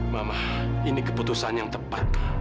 mama ini keputusan yang tepat